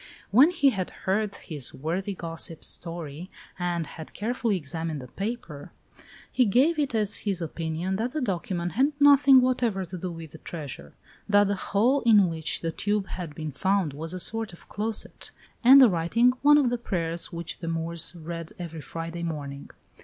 When he had heard his worthy gossip's story and had carefully examined the paper, he gave it as his opinion that the document had nothing whatever to do with the treasure; that the hole in which the tube had been found was a sort of closet, and the writing one of the prayers which the Moors read every Friday morning.